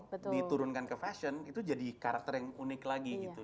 kalau diturunkan ke fashion itu jadi karakter yang unik lagi gitu